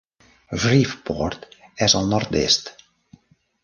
Shreveport es al nord-est.